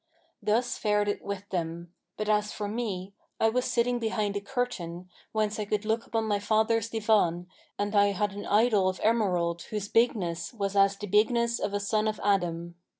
Thus fared it with them; but as for me, I was sitting behind a curtain, whence I could look upon my father's Divan, and I had an idol of emerald whose bigness was as the bigness of a son of Adam.